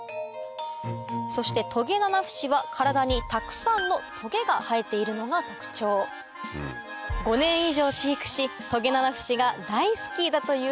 そしてトゲナナフシは体にたくさんのトゲが生えているのが特徴５年以上飼育しトゲナナフシが大好きだという